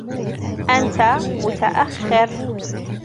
أنت متأخر.